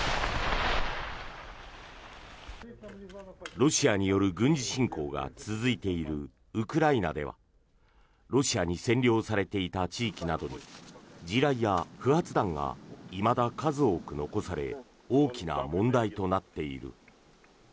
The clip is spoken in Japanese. ロシアによる軍事侵攻が続いているウクライナではロシアに占領されていた地域などに地雷や不発弾がいまだ数多く残され大きな問題となっている。